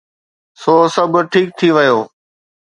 سو سڀ ٺيڪ ٿي ويو.